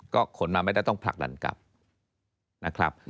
ก็ขนมาไม่ได้ต้องผลักดันกลับนะครับ